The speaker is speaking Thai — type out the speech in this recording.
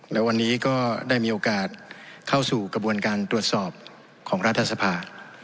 และวันนี้ก็ได้มีโอกาสเข้าสู่กระบวนการตรวจสอบของรัฐสภา